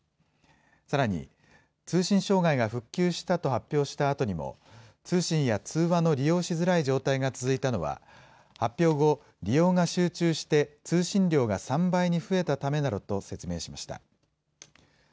さらに、通信障害が復旧したと発表したあとにも、通信や通話の利用しづらい状態が続いたのは、発表後、利用が集中して通信量が３倍に増えたためなどと説明しました。